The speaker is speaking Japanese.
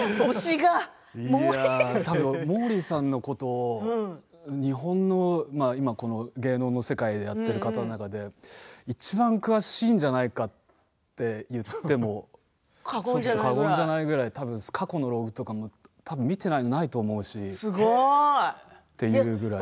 モーリーさんのことを日本の芸能の世界でやっている方の中でいちばん詳しいんじゃないかって言っても過言じゃないぐらいたぶん過去のログとか見ていないものはないと思うしというぐらい。